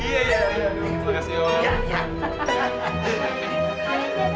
terima kasih om